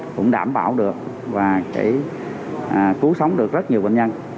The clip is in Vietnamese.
cũng đảm bảo được và chỉ cứu sống được rất nhiều bệnh nhân